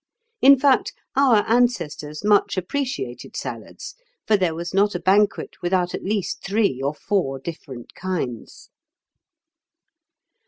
In fact, our ancestors much appreciated salads, for there was not a banquet without at least three or four different kinds.